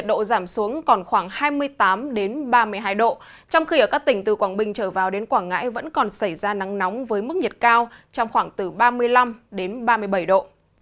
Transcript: trong khi ở các tỉnh từ quảng bình trở vào đến quảng ngãi vẫn còn xảy ra nắng nóng với mức nhiệt cao trong khoảng từ ba mươi năm đến ba mươi bảy độ